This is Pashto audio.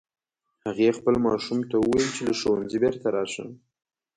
هغې خپل ماشوم ته وویل چې له ښوونځي بیرته راشه